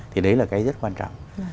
thì đấy là cái rất quan trọng